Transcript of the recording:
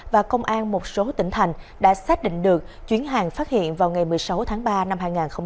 và công an một số tỉnh thành đã xác định được chuyến hàng phát hiện vào ngày một mươi sáu tháng ba năm hai nghìn hai mươi